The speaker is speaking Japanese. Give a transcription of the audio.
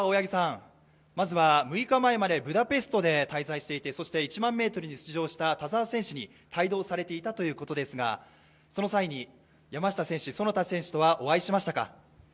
まずは、６日前までブダペストで滞在していてそして１００００ｍに出場した田澤選手に帯同されていたということですがその際に山下選手、其田選手とはお会いしましたか。